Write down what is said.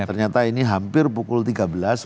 ternyata ini hampir pukul tiga belas